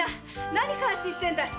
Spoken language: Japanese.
何感心してんだい！